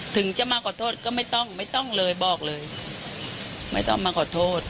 ถึงจะมาขอโทษก็ไม่ต้องไม่ต้องเลยบอกเลยไม่ต้องมาขอโทษ